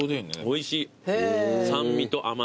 おいしい。